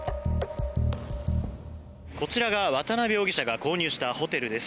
こちらが渡邉容疑者が購入したホテルです。